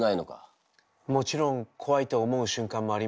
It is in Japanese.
もちろん怖いと思う瞬間もあります。